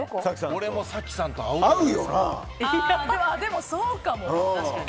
俺も早紀さんと合うとでも、そうかも確かに。